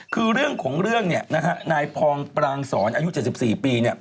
คือเรื่องของเรื่องนายพองปรางสอนอายุ๗๔ปี